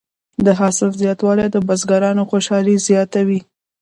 د حاصل زیاتوالی د بزګرانو خوشحالي زیاته وي.